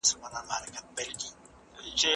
شيطان د هغه او ميرمني تر منځ بيلتون راوست.